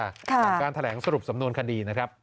หลังการแถลงสรุปสำนวนคดีนะครับ